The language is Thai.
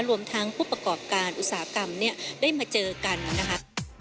รวมทั้งผู้ประกอบการอุตสาหกรรมเนี่ยได้มาเจอกันนะคะ